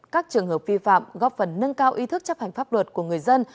các trường hợp vi phạm góp phần nâng cao ý thức chấp hành pháp luật của người dân